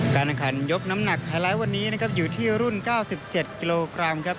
การแข่งขันยกน้ำหนักไฮไลท์วันนี้นะครับอยู่ที่รุ่น๙๗กิโลกรัมครับ